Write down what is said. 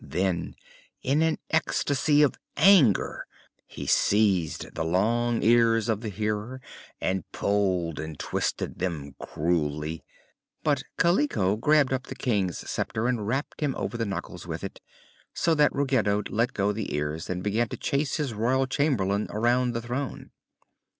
Then, in an ecstasy of anger he seized the long ears of the Hearer and pulled and twisted them cruelly; but Kaliko grabbed up the King's sceptre and rapped him over the knuckles with it, so that Ruggedo let go the ears and began to chase his Royal Chamberlain around the throne.